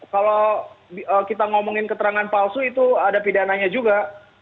kalau kita ngomongin keterangan palsu itu ada pidananya juga